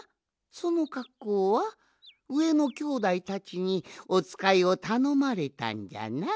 そのかっこうはうえのきょうだいたちにおつかいをたのまれたんじゃな？